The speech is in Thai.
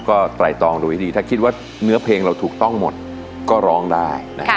ก็ไตรตองดูให้ดีถ้าคิดว่าเนื้อเพลงเราถูกต้องหมดก็ร้องได้นะครับ